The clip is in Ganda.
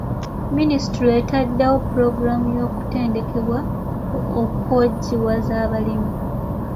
Minisitule etaddewo pulogulaamu y'okutendekebwa okwojiwaza abalimi.